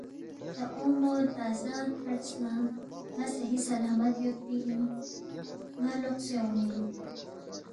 تا اومو تازہ کھڈس نہ ن٘ا صحیح سلامت یودپی اِن ن٘ا لوقسے اونگمی اِن